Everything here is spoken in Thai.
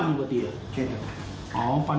อ๋อตีหรือเปล่า